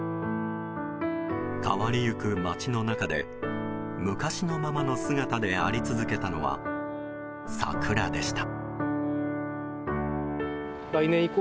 変わりゆく町の中で、昔のままの姿であり続けたのは桜でした。